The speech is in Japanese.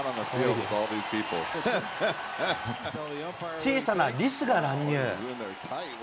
小さなリスが乱入。